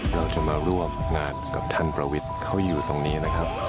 เราจะมาร่วมงานกับท่านประวิทย์เขาอยู่ตรงนี้นะครับ